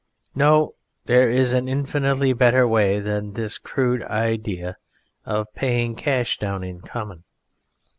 No; there is an infinitely better way than this crude idea of paying cash down in common.